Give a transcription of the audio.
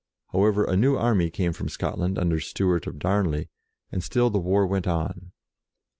However, a new army came from Scotland, under Stewart of Darn ley, and still the war went on.